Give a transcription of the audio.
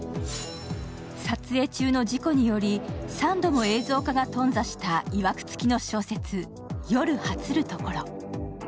撮影中の事故により３度も映像化が頓挫したいわくつきの小説「夜果つるところ」。